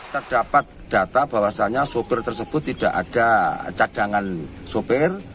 terdapat data bahwasannya sopir tersebut tidak ada cadangan sopir